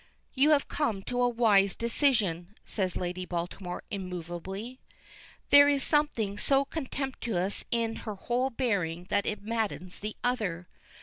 "You have come to a wise decision," says Lady Baltimore, immovably. There is something so contemptuous in her whole bearing that it maddens the other.